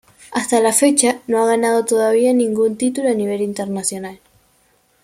Hasta la fecha, no ha ganado todavía ningún título a nivel internacional.